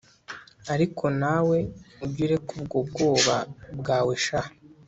ariko nawe ujye ureka ubwo bwoba bwawe sha